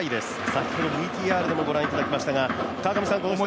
先ほど、ＶＴＲでもごらんいただきましたが。